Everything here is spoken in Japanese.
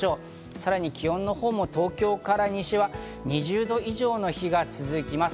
さらに気温も東京から西は２０度以上の日が続きます。